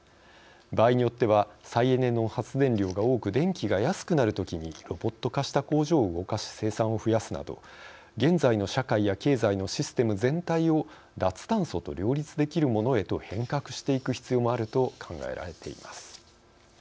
場合によっては再エネの発電量が多く電気が安くなるときにロボット化した工場を動かし生産を増やすなど現在の社会や経済のシステム全体を脱炭素と両立できるものへと変革していく必要もあると考えられています。